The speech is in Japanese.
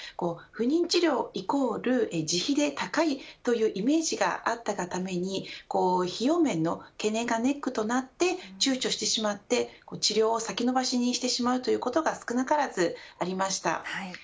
不妊治療イコール自費で高いというイメージがあったがために費用面の懸念がネックとなって躊躇してしまって治療を先延ばしにしてしまうということが少なからずありました。